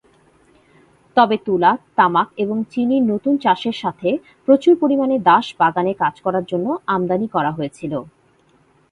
তবে তুলা, তামাক এবং চিনির নতুন চাষের সাথে প্রচুর পরিমাণে দাস বাগানের কাজ করার জন্য আমদানি করা হয়েছিল।